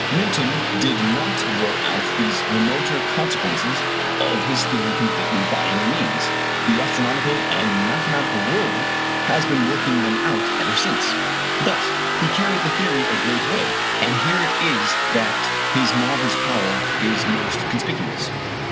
Newton did not work out these remoter consequences of his theory completely by any means: the astronomical and mathematical world has been working them out ever since; but he carried the theory a great way, and here it is that his marvellous power is most conspicuous.